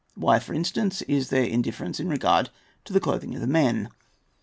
Why, for instance, is there that indifference in regard to the clothing of the men?